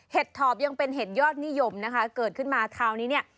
ถอบยังเป็นเห็ดยอดนิยมนะคะเกิดขึ้นมาคราวนี้เนี่ย